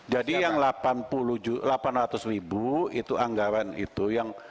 jadi yang delapan ratus ribu itu anggaran itu